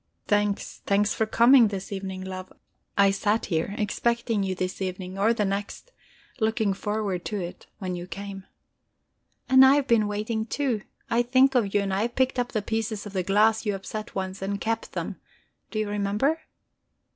Thanks, thanks for coming this evening, love. I sat here, expecting you this evening, or the next, looking forward to it, when you came." "And I have been waiting too. I think of you, and I have picked up the pieces of the glass you upset once, and kept them do you remember?